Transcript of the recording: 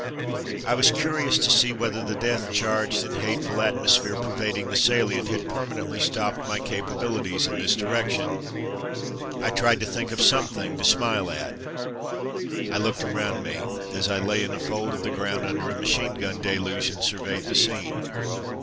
I was curi ous to see whether the death charged and hateful atmosphere pervading the salient had permanently stopped my capabili ties in this direction. I tried to think of something to smile at. I looked around me as I lay in a fold of the ground under a machine gun deluge, and sur veyed the scene.